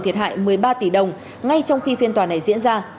thiệt hại một mươi ba tỷ đồng ngay trong khi phiên tòa này diễn ra